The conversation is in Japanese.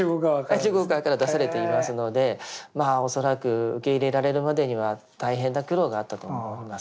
中国側から出されていますのでまあ恐らく受け入れられるまでには大変な苦労があったと思います。